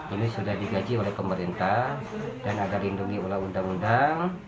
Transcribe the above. ini sudah digaji oleh pemerintah dan agar lindungi oleh undang undang